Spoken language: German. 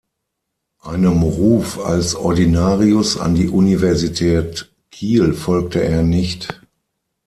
Einem Ruf als Ordinarius an die Universität Kiel folgte er nicht.